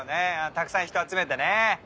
たくさん人集めてね。